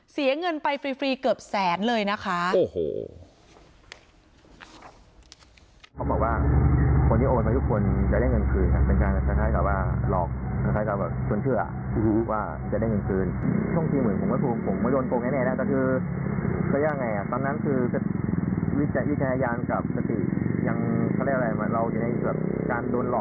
เสียเงินไปฟรีเกือบแสนเลยนะคะ